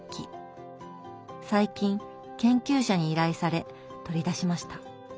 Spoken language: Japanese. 最近研究者に依頼され取り出しました。